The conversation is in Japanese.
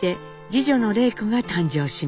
次女の礼子が誕生します。